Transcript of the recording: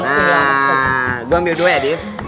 nah gue ambil dua ya dief